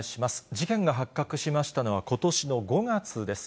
事件が発覚しましたのは、ことしの５月です。